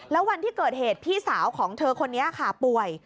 แล้ววันที่เกิดเหตุพี่สาวของเธอคนนี้ค่ะป่วย